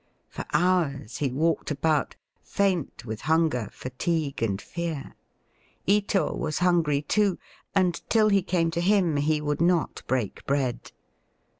For hours he walked about, faint with hunger, fatigue, and fear. Ito was hungry too, and till he came to him he would not break bread.